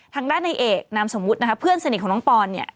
ทางด้านในเอกนามสมมุตินะคะเพื่อนสนิทของน้องปอนเนี่ย